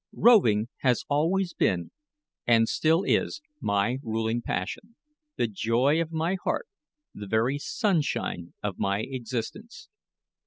Roving has always been, and still is, my ruling passion, the joy of my heart, the very sunshine of my existence.